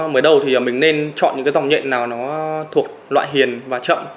mới đầu thì mình nên chọn những dòng nhện nào thuộc loại hiền và chậm